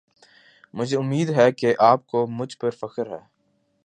مجھے اُمّید ہے کی اپ کو مجھ پر فخر ہے۔